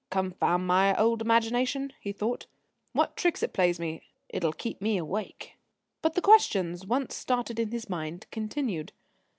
"Confound my old imagination," he thought, "what tricks it plays me! It'll keep me awake!" But the questions, once started in his mind, continued.